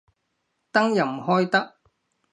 燈又唔開得